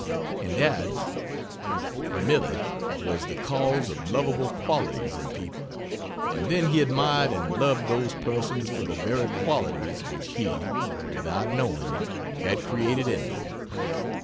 And adds: "Millet was the cause of lovable qualities in people, and then he admired and loved those persons for the very qualities which he (without knowing it) had created in them.